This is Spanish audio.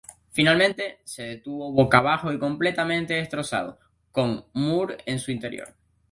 Finalmente, se detuvo boca abajo y completamente destrozado, con Moore en su interior.